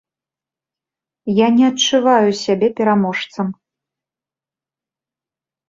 Я не адчуваю сябе пераможцам.